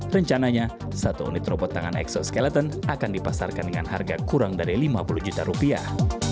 rencananya satu unit robot tangan exoskeleton akan dipasarkan dengan harga kurang dari lima puluh juta rupiah